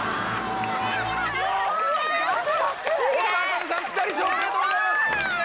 堀田茜さんピタリ賞おめでとうございます！